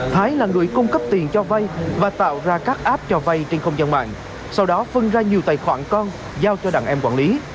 thái là người cung cấp tiền cho vay và tạo ra các app cho vay trên không gian mạng sau đó phân ra nhiều tài khoản con giao cho đàn em quản lý